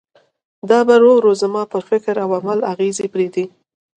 دا به ورو ورو زما پر فکر او عمل خپل اغېز پرېږدي.